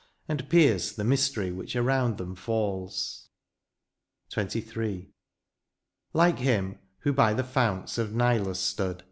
And pierce the mystery which around them falls. XXIII. Like him,* who by the founts of Nilus stood.